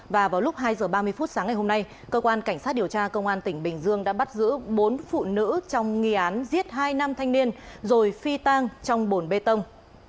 và vào lúc hai h ba mươi phút sáng ngày hôm nay cơ quan cảnh sát điều tra công an tỉnh bình dương đã bắt giữ bốn phụ nữ trong nghi án giết hai nam thanh niên rồi phi tang trong bồn bê tông